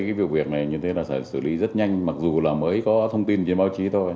cái việc này như thế là sẽ xử lý rất nhanh mặc dù là mới có thông tin trên báo chí thôi